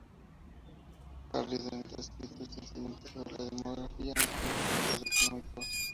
Harry Dent ha escrito extensamente sobre la demografía y los ciclos económicos.